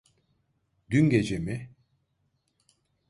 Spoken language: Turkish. Dün gece mi?